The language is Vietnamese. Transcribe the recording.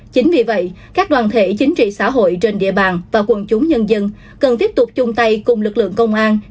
chính vì vậy các đoàn thể chính trị xã hội trên địa bàn và quân chúng nhân dân cần tiếp tục chung tay cùng lực lượng công an